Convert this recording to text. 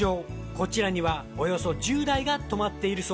こちらにはおよそ１０台が止まっているそうです。